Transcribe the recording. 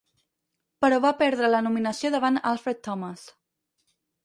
Però va perdre la nominació davant Alfred Thomas.